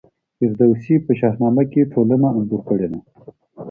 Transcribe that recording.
فردوسي په شاهنامه کي ټولنه انځور کړې ده.